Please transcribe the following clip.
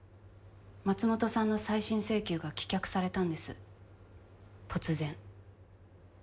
松本さんの再審請求が棄却されたんです突然。